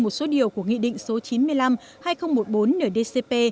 một số điều của nghị định số chín mươi năm hai nghìn một mươi bốn nửa dcp